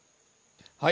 はい。